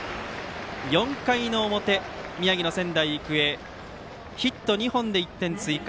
４回表、宮城の仙台育英ヒット２本で１点追加。